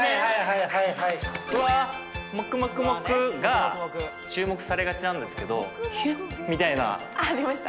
はいはいはいフワモクモクモクが注目されがちなんですけどヒュッみたいなありました